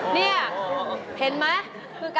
แต่ก็ไม่ถูก